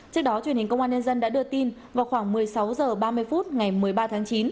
trước đó truyền hình công an nhân dân đã đưa tin vào khoảng một mươi sáu h ba mươi phút ngày một mươi ba tháng chín